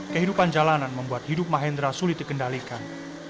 kehidupan jalanan membuat hidup mahendra sulit dikendalikan